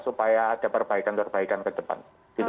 supaya ada perbaikan perbaikan ke depan